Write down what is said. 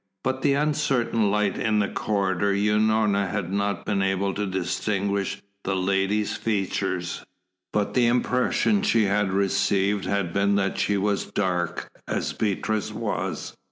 By the uncertain light in the corridor Unorna had not been able to distinguish the lady's features, but the impression she had received had been that she was dark, as Beatrice was.